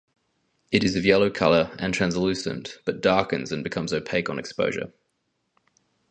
It is of yellow colour, and translucent, but darkens and becomes opaque on exposure.